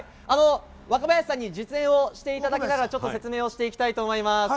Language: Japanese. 若林さんに実演をしていただきながら、説明をしていきたいと思います。